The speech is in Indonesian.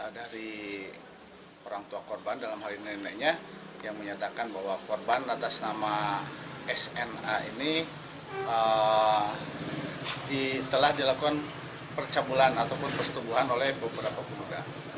dari orang tua korban dalam hal ini neneknya yang menyatakan bahwa korban atas nama sna ini telah dilakukan percabulan ataupun persetubuhan oleh beberapa pemuda